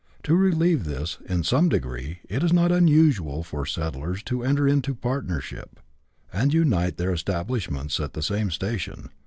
To relieve this in some degree it is not unusual for settlers to enter into partnership and unite their establishments at the same station.